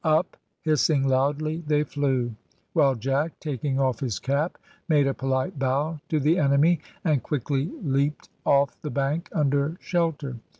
Up, hissing loudly, they flew, while Jack, taking off his cap, made a polite bow to the enemy, and quickly leapt off the bank under shelter.